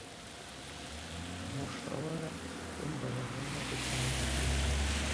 Ntushobora kumbabaza nkuko usanzwe ufite.